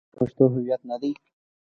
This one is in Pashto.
آیا دا د پښتنو هویت نه دی؟